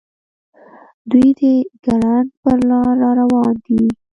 دوي د ګړنګ پر لار راروان دي.